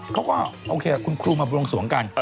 เขาก็โอเคคุณครูมาบวงสวงกัน